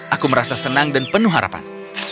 aku merasa senang dan penuh harapan